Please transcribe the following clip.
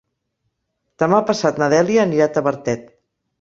Demà passat na Dèlia anirà a Tavertet.